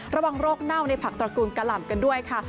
ระวังโรคเน่าในผักตระกูลกะหล่ำกันด้วยค่ะ